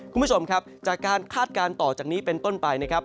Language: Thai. คุณผู้ชมครับจากการคาดการณ์ต่อจากนี้เป็นต้นไปนะครับ